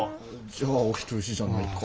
じゃあお人よしじゃないか。